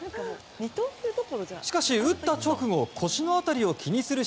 しかし、打った直後腰の辺りを気にする